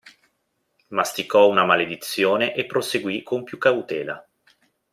Masticò una maledizione e proseguì con più cautela.